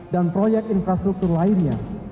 dan proyek infrastruktur lainnya